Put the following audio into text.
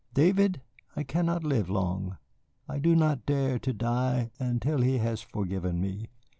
David, I cannot live long. I do not dare to die until he has forgiven me."